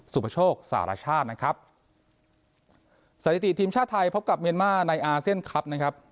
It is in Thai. ปโชคสารชาตินะครับสถิติทีมชาติไทยพบกับเมียนมาร์ในอาเซียนคลับนะครับ